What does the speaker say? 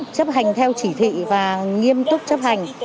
chấp hành theo chỉ thị và nghiêm túc chấp hành